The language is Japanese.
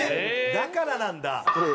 だからなんだ！